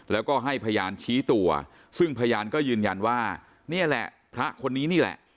แล้วก็ให้พยานชี้ตัวซึ่งพยานก็ยืนยันว่านี่แหละพระคนนี้นี่แหละ